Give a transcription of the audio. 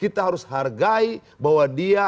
kita harus hargai bahwa dia